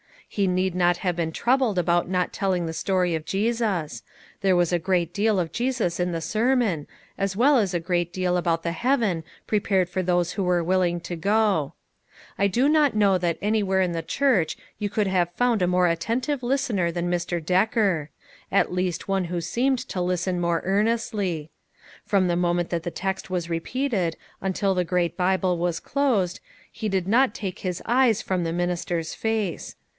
He need not have been troubled about not telling the story of Jesus ; there was a great deal about Jesus in the sermon, as well as a great deal about the heaven prepared for those who were Avilling to go. I do not know that anywhere in the church you could have 252 LITTLE FISHEKS: AND THEIR NETS. found a more attentive listener than Mr. Decker. At least one who seemed to listen more earn estly; from the moment that the text was re peated until the great Bible was closed, he did not take his eyes from the minister's face.